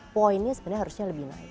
poinnya sebenarnya harusnya lebih naik